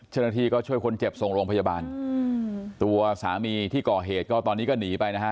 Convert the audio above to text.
เจ้าหน้าที่ก็ช่วยคนเจ็บส่งโรงพยาบาลตัวสามีที่ก่อเหตุก็ตอนนี้ก็หนีไปนะฮะ